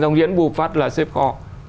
rồi diễn bù phát là xếp kho